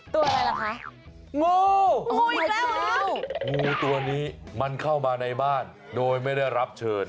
ตัวอะไรล่ะคะงูงูอยู่แล้วงูตัวนี้มันเข้ามาในบ้านโดยไม่ได้รับเชิญ